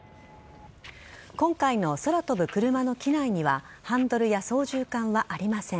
今回の空飛ぶ車の機内にはハンドルや操縦かんはありません。